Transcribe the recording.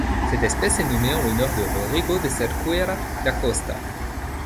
Cette espèce est nommée en l'honneur de Rodrigo de Cerqueira da Costa.